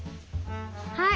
はい。